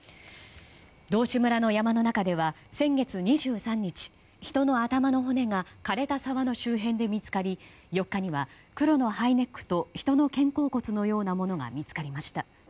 道志村の山の中では先月２３日、人の頭の骨が枯れた沢の周辺で見つかり４日には黒のハイネックと人の肩甲骨のようなものが見つかりました。